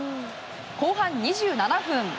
後半２７分。